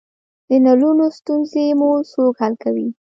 د نلونو ستونزې مو څوک حل کوی؟